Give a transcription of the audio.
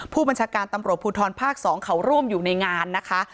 ผู้บัญชาการตำรวจภูทรภาค๒เขาร่วมอยู่ในงานนะคะ